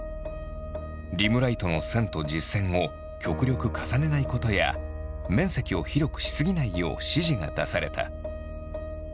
リムライトの線と実線を極力重ねないことや面積を広くしすぎないよう指示が出された。